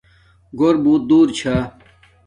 گھور بوت دور چھا